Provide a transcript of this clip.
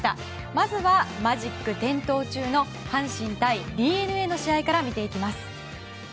まずは、マジック点灯中の阪神対ＤｅＮＡの試合から見ていきます。